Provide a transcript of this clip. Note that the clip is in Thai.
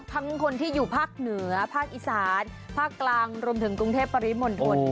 คนที่อยู่ภาคเหนือภาคอีสานภาคกลางรวมถึงกรุงเทพปริมณฑล